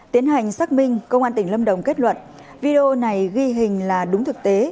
tiến hành xác minh công an tỉnh lâm đồng kết luận video này ghi hình là đúng thực tế